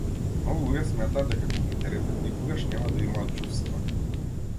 Многу луѓе сметаат дека компјутерите никогаш нема да имаат чувства.